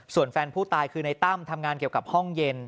ส่วนแฟนผู้ตายคือในตั้มทำงานเกี่ยวกับห้องเย็น